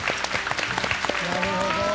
なるほど。